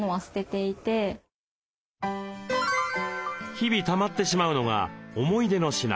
日々たまってしまうのが思い出の品。